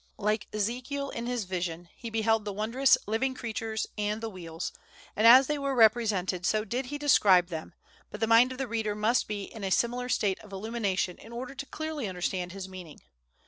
Like Ezekiel in his vision, he beheld the wondrous "living creatures, and the wheels," and as they were represented, so did he describe them; but the mind of the reader must be in a similar state of illumination in order to clearly understand his meaning.